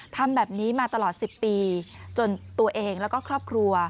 ทำแบบนี้มาตลอด๑๐ปีจนตัวเองแล้วก็ครอบครัว